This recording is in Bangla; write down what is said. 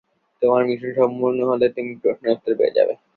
তোমার মিশন সম্পূর্ণ হলে তুমি প্রশ্নের উত্তর পেয়ে যাবে।